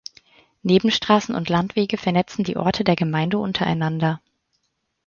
Nebenstraßen und Landwege vernetzen die Orte der Gemeinde untereinander.